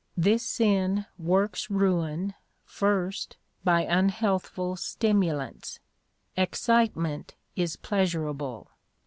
This sin works ruin, first, by unhealthful stimulants. Excitement is pleasurable.